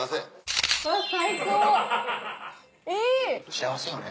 幸せよね。